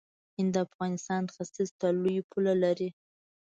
هند د افغانستان ختیځ ته لوی پوله لري.